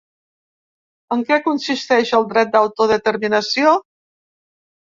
En què consisteix el dret d’autodeterminació?